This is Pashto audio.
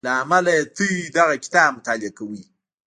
له امله يې تاسې دغه کتاب مطالعه کوئ.